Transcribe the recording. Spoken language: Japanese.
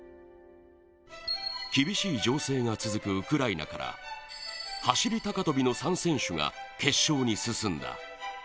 厳しい情勢が続くウクライナから走高跳の３選手が決勝に進んだ。